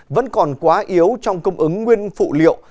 vẫn còn quá yếu trong cung ứng nguyên phụ liệu